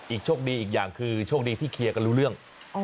โชคดีอีกอย่างคือโชคดีที่เคลียร์กันรู้เรื่อง